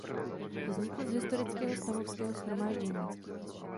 Vznikl z historického stavovského shromáždění.